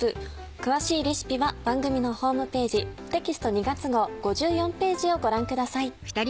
詳しいレシピは番組のホームページテキスト２月号５４ページをご覧ください。